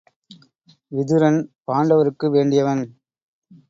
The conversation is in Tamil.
விதுரன் பாண்டவருக்கு வேண்டியவன்.